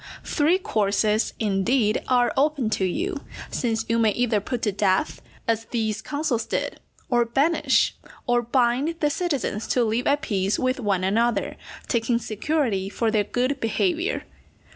Three courses, indeed, are open to you, since you may either put to death, as these consuls did, or banish, or bind the citizens to live at peace with one another, taking security for their good behaviour.